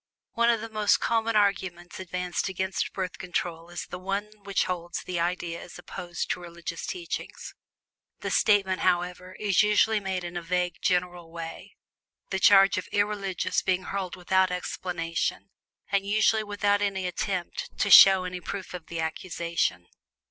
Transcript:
One of the most common arguments advanced against Birth Control is the one which holds that the idea is opposed to religious teachings. The statement, however, is usually made in a vague general way, the charge of "irreligious" being hurled without explanation, and usually without any attempt to show any proof of the accusation.